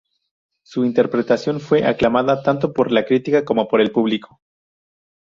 Su interpretación fue aclamada tanto por la crítica como por el público.